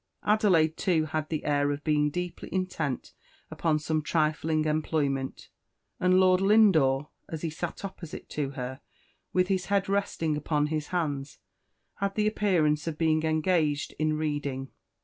Adelaide, too, had the air of being deeply intent upon some trifling employment; and Lord Lindore, as he sat opposite to her, with his head resting upon his hands, had the appearance of being engaged in reading.